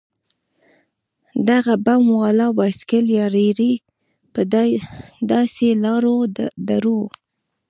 دغه بم والا بايسېکل يا رېړۍ پر داسې لارو دروو.